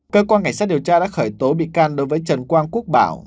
cơ quan cảnh sát điều tra đã khởi tố bị can đối với trần quang quốc bảo